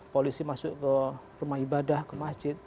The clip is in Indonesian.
polisi masuk ke rumah ibadah ke masjid